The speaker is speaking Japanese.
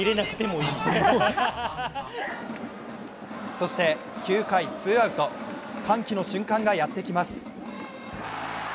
そして９回ツーアウト、歓喜の瞬間がやってきます。